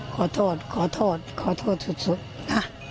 ขอโทษขอโทษขอโทษสุดนะ